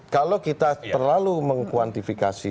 kalau kita terlalu mengkuantifikasi